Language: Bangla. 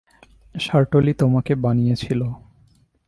শার্লট-ই তোমাকে বানিয়েছিল।